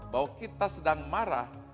bahwa kita sedang marah